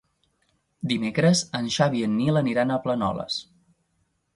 Dimecres en Xavi i en Nil aniran a Planoles.